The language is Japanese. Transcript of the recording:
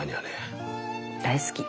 大好き。